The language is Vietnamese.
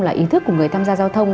là ý thức của người tham gia giao thông